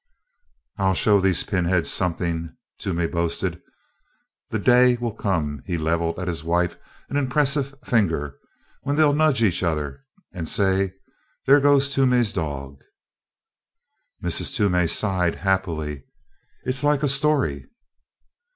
"I'll show these pinheads something," Toomey boasted. "The day'll come," he levelled at his wife an impressive finger, "when they'll nudge each either and say, 'There goes Toomey's Dog!'" Mrs. Toomey sighed happily, "It's like a story!"